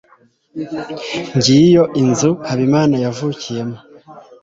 ngiyo inzu habimana yavukiyemo